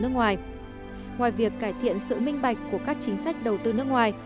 ngoài việc cải thiện sự minh bạch của các chính sách đầu tư nước ngoài